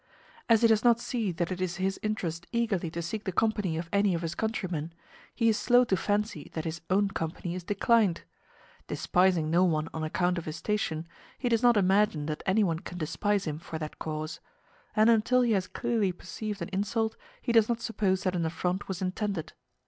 As he does not see that it is his interest eagerly to seek the company of any of his countrymen, he is slow to fancy that his own company is declined: despising no one on account of his station, he does not imagine that anyone can despise him for that cause; and until he has clearly perceived an insult, he does not suppose that an affront was intended.